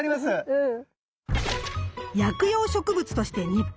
うん。